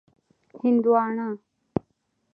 🍉 هندوانه